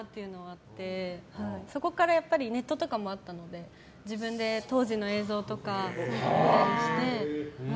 そこからネットとかもあったので自分で当時の映像とか見たりして。